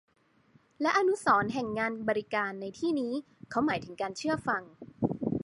และอนุสรณ์แห่งงานบริการในที่นี้เขาหมายถึงการเชื่อฟัง